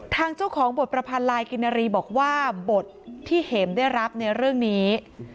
ทางเจ้าของบทประพันธ์ลายกินนารีบอกว่าบทที่เห็มได้รับในเรื่องนี้